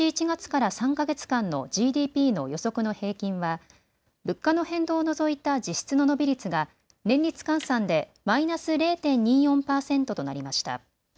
１月から３か月間のＧＤＰの予測の平均は物価の変動を除いた実質の伸び率が年率換算でマイナス０．２４％となりました。